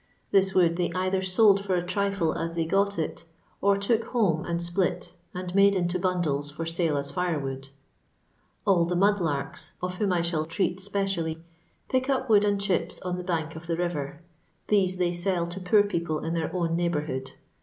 This wood they either sold for a trifle as they got it, or took home and split, and made into bundles for sale as firewood. All the mudlarks (of whom I shall treat specially) pick up wood and chips on the bank of the river ; these they sell to poor people in their own neighbourhood.